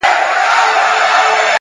سترگو کي باڼه له ياده وباسم؛